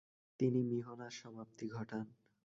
তিনি মিহনার সমাপ্তি ঘটান।